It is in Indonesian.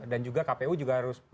dan juga kpu juga harus